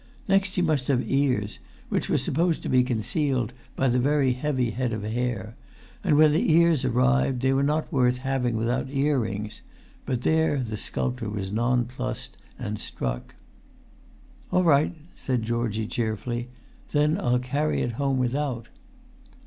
Next he must have ears, which were supposed to be concealed by the very heavy head of hair; and when the ears arrived, they were not worth having without ear rings; but there the sculptor was nonplussed, and struck. "All right," said Georgie, cheerfully; "then I'll carry it home without."